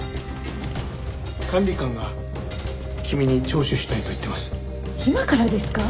管理官が君に聴取したいと言ってます。